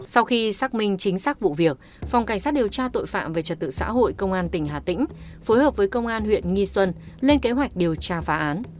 sau khi xác minh chính xác vụ việc phòng cảnh sát điều tra tội phạm về trật tự xã hội công an tỉnh hà tĩnh phối hợp với công an huyện nghi xuân lên kế hoạch điều tra phá án